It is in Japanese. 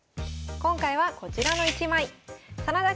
今回はこちらの１枚。